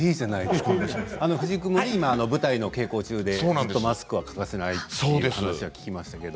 藤井君も今、舞台の稽古中でずっとマスクは欠かせないという話は聞きましたけど。